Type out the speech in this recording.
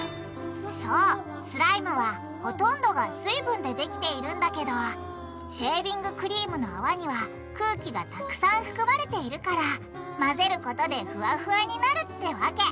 そうスライムはほとんどが水分でできているんだけどシェービングクリームの泡には空気がたくさん含まれているから混ぜることでフワフワになるってわけ！